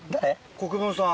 國分さん。